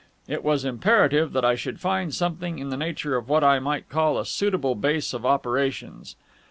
It was imperative that I should find something in the nature of what I might call a suitable base of operations.